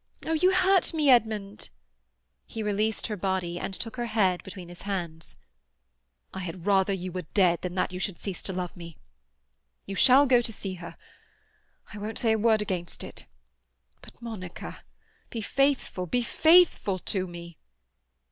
Oh, you hurt me, Edmund!" He released her body, and took her head between his hands. "I had rather you were dead than that you should cease to love me! You shall go to see her; I won't say a word against it. But, Monica, be faithful, be faithful to me!"